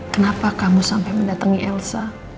kenapa kamu sampai mendatangi elsa